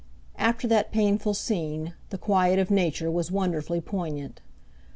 After that painful scene the quiet of Nature was wonderfully poignant.